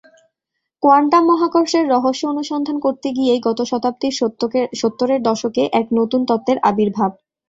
Quantum মহাকর্ষের রহস্য অনুসন্ধান করতে গিয়েই গত শতাব্দীর সত্তরের দশকে এক নতুন তত্ত্বের আবির্ভাব।